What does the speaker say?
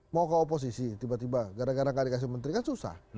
mau ke oposisi tiba tiba gara gara gak dikasih menteri kan susah